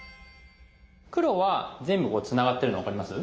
黒は全部これつながってるの分かります？